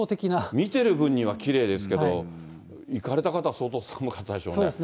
見てる分にはきれいですけど、行かれた方は相当寒かったでしょうね。